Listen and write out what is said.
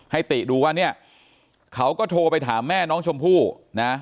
ติดูว่าเนี่ยเขาก็โทรไปถามแม่น้องชมพู่นะ